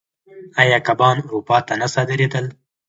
آیا کبان اروپا ته نه صادرېدل؟